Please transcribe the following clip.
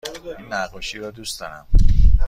این نقاشی را دوست دارم.